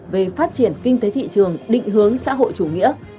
về phát triển kinh tế thị trường định hướng xã hội chủ nghĩa